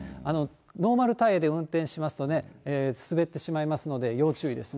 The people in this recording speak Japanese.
ノーマルタイヤで運転しますとね、滑ってしまいますので、要注意ですね。